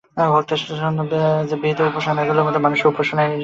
ভক্তের জন্য বিহিত উপাসনাপদ্ধতিগুলির মধ্যে মানুষের উপাসনাই শ্রেষ্ঠ।